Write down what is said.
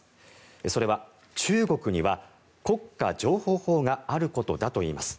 それは、中国には国家情報法があることだといいます。